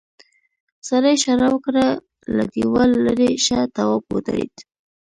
سړي اشاره وکړه له دیوال ليرې شه تواب ودرېد.